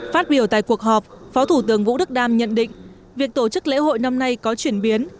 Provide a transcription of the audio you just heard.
phát biểu tại cuộc họp phó thủ tướng vũ đức đam nhận định việc tổ chức lễ hội năm nay có chuyển biến